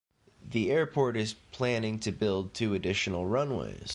The airport is planning to build two additional runways.